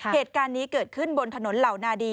เหตุการณ์นี้เกิดขึ้นบนถนนเหล่านาดี